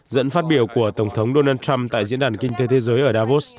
dẫn phát biểu của tổng thống donald trump tại diễn đàn kinh tế thế giới ở davos